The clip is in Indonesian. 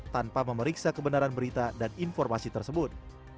tanpa memeriksa kebenaran berita dan informasi tersebut